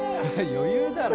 余裕だろ